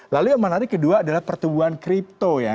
lalu yang menarik kedua adalah pertumbuhan kripto ya